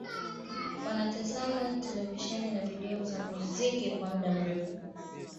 Wanatazama televisheni na video za muziki kwa muda mrefu au